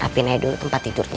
eh apiin aja dulu tempat tidurnya